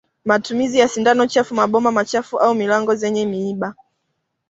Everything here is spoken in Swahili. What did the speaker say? Matumizi ya sindano chafu maboma machafu au milango zenye miiba